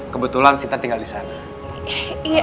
kebetulan sita tinggal di sana